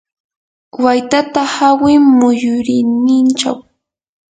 waytata hawi muyurinninchaw.